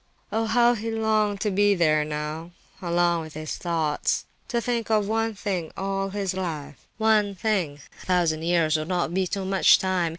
Oh! how he longed to be there now—alone with his thoughts—to think of one thing all his life—one thing! A thousand years would not be too much time!